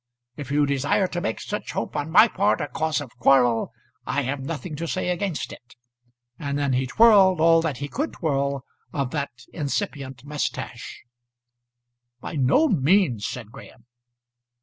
If you desire to make such hope on my part a cause of quarrel, I have nothing to say against it." And then he twirled all that he could twirl of that incipient moustache. "By no means," said Graham.